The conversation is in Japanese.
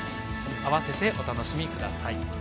併せてお楽しみください。